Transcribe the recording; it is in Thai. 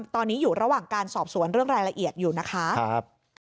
ตอนนี้อยู่ระหว่างการสอบสวนเรื่องรายละเอียดอยู่นะคะ